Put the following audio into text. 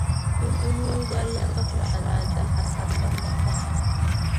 د نورو بریا ته خوشحالي د حسد مخه نیسي.